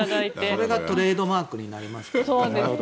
それがトレードマークになりますから。